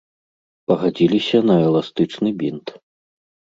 Пагадзіліся на эластычны бінт.